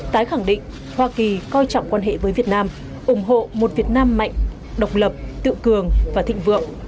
tái khẳng định hoa kỳ coi trọng quan hệ với việt nam ủng hộ một việt nam mạnh độc lập tự cường và thịnh vượng